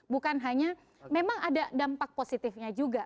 bukan hanya memang ada dampak positifnya juga